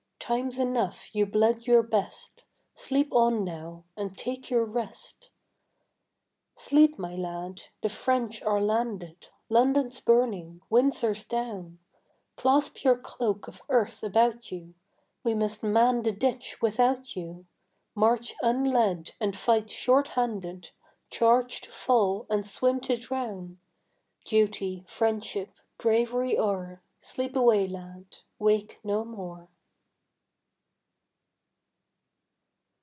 Times enough you bled your best; Sleep on now, and take your rest. Sleep, my lad; the French are landed, London's burning, Windsor's down; Clasp your cloak of earth about you, We must man the ditch without you, March unled and fight short handed, Charge to fall and swim to drown. Duty, friendship, bravery o'er, Sleep away, lad; wake no more.